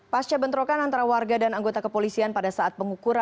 pasca bentrokan antara warga dan anggota kepolisian pada saat pengukuran